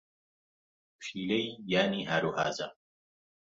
پشیلەی یانی ھاروھاجە.